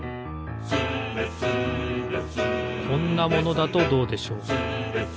「スレスレ」こんなものだとどうでしょう？